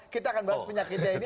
kita akan bahas penyakitnya ini